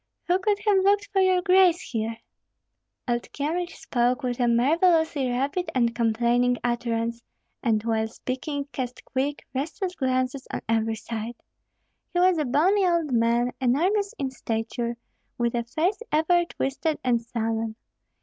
who could have looked for your grace here!" Old Kyemlich spoke with a marvellously rapid and complaining utterance, and while speaking cast quick, restless glances on every side. He was a bony old man, enormous in stature, with a face ever twisted and sullen!